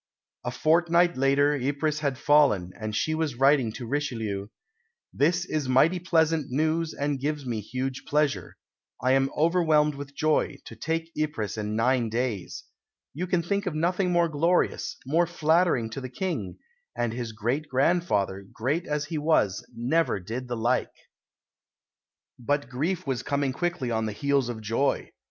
A fortnight later Ypres had fallen, and she was writing to Richelieu, "This is mighty pleasant news and gives me huge pleasure. I am overwhelmed with joy, to take Ypres in nine days. You can think of nothing more glorious, more flattering to the King; and his great grandfather, great as he was, never did the like!" But grief was coming quickly on the heels of joy.